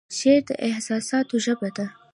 شعر د احساساتو ژبه ده